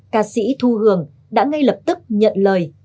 ca sĩ thu hường đã ngay lập tức nhận lời